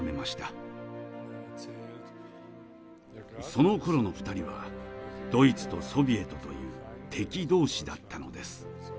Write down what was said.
そのころの２人はドイツとソビエトという敵同士だったのです。